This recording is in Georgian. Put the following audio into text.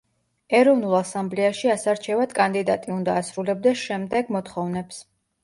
ეროვნულ ასამბლეაში ასარჩევად კანდიდატი უნდა ასრულებდეს შემდეგ მოთხოვნებს.